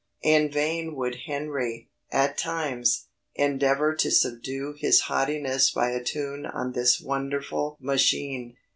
In vain would Henry, at times, endeavour to subdue his haughtiness by a tune on this wonderful machine.